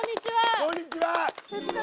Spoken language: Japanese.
こんにちは！